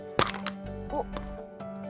おっ。